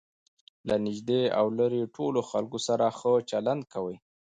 له نژدې او ليري ټولو خلکو سره ښه چلند کوئ!